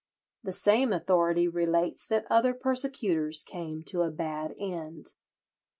The same authority relates that other persecutors came to a bad end.